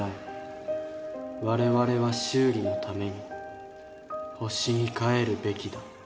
我々は修理のために星に帰るべきだ。